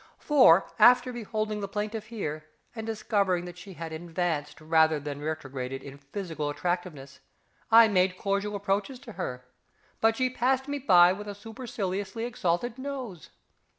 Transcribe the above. For, after beholding the plaintiff here and discovering that she had advanced rather than retrograded in physical attractiveness, I made cordial approaches to her, but she passed me by with a superciliously exalted nose!